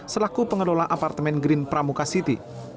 selaku pengelola apartemen green pramuka city